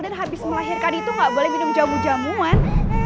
dan habis melahirkan itu gak boleh minum jamu jamuan